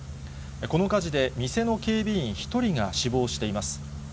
この火事で店の警備員１人が死亡しています。